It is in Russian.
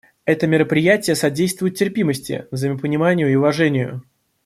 Это мероприятие содействует терпимости, взаимопониманию и уважению.